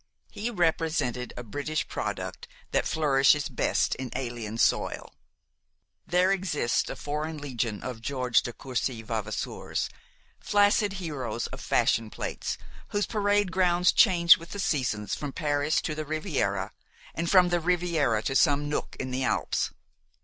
He represented a British product that flourishes best in alien soil. There exists a foreign legion of George de Courcy Vavasours, flaccid heroes of fashion plates, whose parade grounds change with the seasons from Paris to the Riviera, and from the Riviera to some nook in the Alps.